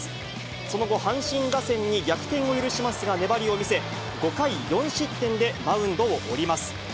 その後、阪神打線に逆転を許しますが、粘りを見せ、５回４失点でマウンドを降ります。